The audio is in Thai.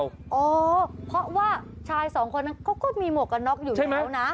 อ๋อเพราะว่าชายสองคนนั้นเขาก็มีหมวกกันน๊อบอยู่แล้วนะ